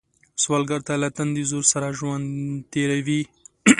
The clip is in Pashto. سوالګر له تندي زور سره ژوند تېروي